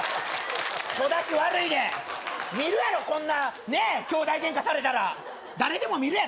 育ち悪いで見るやろこんなねっ兄弟ゲンカされたら誰でも見るやろ